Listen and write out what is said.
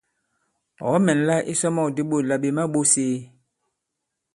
Ɔ̀ kɔ-mɛ̀nla isɔmɔ̂k di ɓôt là "ɓè ma-ɓōs ēe?".